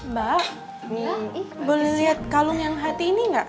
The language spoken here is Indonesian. mbak boleh lihat kalung yang hati ini nggak